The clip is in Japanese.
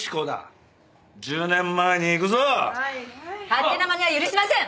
勝手なまねは許しません！